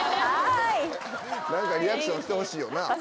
何かリアクションしてほしいよな。